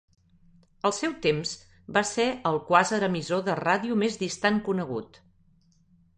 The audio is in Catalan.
Al seu temps, va ser el quàsar emissor de ràdio més distant conegut.